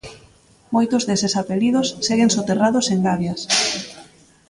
Moitos deses apelidos seguen soterrados en gabias.